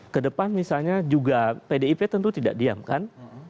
ke depan misalnya juga pdip tentu tidak diam kan